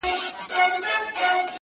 لاسو كې توري دي لاسو كي يې غمى نه دی ـ